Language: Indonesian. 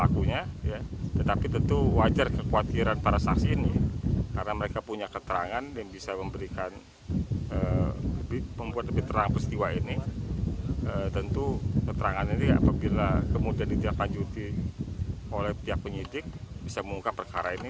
kemudian ditilai panjuti oleh pihak penyidik bisa mengungkap perkara ini